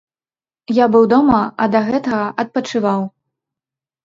Я быў дома, а да гэтага адпачываў.